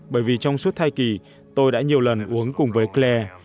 bởi vì trong suốt thai kỳ tôi đã nhiều lần uống cùng với cle